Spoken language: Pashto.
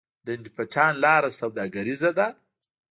ډنډ پټان لاره سوداګریزه ده؟